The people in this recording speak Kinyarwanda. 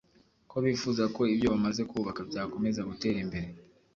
ko bifuza ko ibyo bamaze kubaka byakomeza gutera imbere